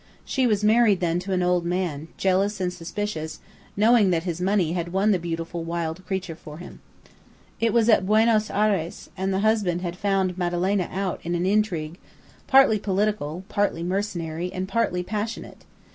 She was married then to an old man, jealous and suspicious, knowing that his money had won the beautiful wild creature for him. It was at Buenos Aires, and the husband had found Madalena out in an intrigue; partly political, partly mercenary, and partly passionate.